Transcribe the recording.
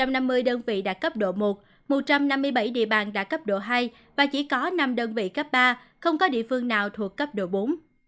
một trăm năm mươi bảy địa phương đã cấp độ một một trăm năm mươi bảy địa phương đã cấp độ hai và chỉ có năm đơn vị cấp ba không có địa phương nào thuộc cấp độ bốn